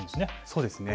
そうですね。